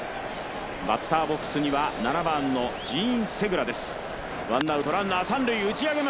バッターボックスには７番のジーン・セグラです。